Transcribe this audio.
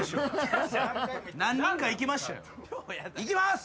いきます！